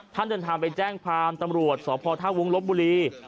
ท่านเดินทางไปแจ้งภาร์มตำรวจสวทธวงศ์ลบบุรี